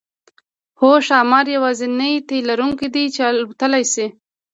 هو ښامار یوازینی تی لرونکی دی چې الوتلی شي